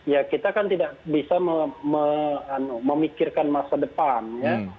ya kita kan tidak bisa memikirkan masa depan ya